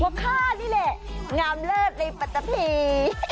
ว่าข้านี่แหละงามเลิศในปัจจับที